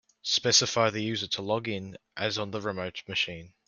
Specify the user to log in as on the remote machine.